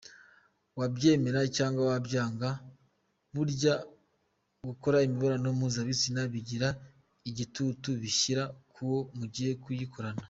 Wabyemera cyangwa wabyanga, burya gukora imibonano mpuzabitsina bigira igitutu bishyira ku wo mugiye kuyikorana.